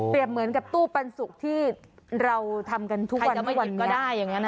เปรียบเหมือนกับตู้ปันสุกที่เราทำกันทุกวันทุกวันใครจะไม่หยุดก็ได้อย่างนั้น